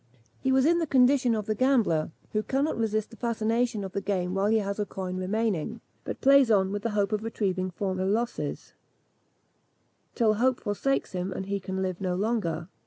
He was in the condition of the gambler, who cannot resist the fascination of the game while he has a coin remaining, but plays on with the hope of retrieving former losses, till hope forsakes him, and he can live no longer.